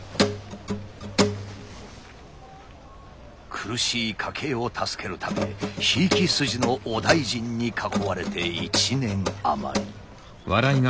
苦しい家計を助けるためひいき筋のお大尽に囲われて１年余り。